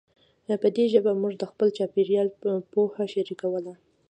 په دې ژبه موږ د خپل چاپېریال پوهه شریکوله.